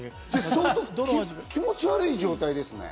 相当気持ち悪い状態ですね。